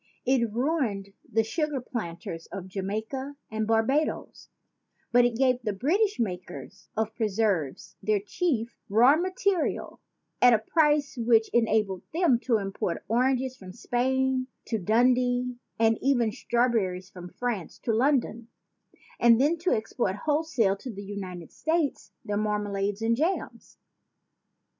It ruined the sugar planters of Jamaica and Barbadoes; but it gave the British makers of preserves their chief raw material at a price which enabled them to import oranges from Spain to Dundee and even strawberries from France to London, and then to export wholesale to the United States their marmalades and jams."